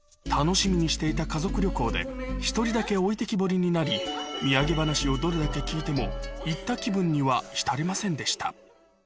楽しみにしていた家族旅行で、１人だけ置いてきぼりになり、土産話をどれだけ聞いても、行った気分には浸れませんでした。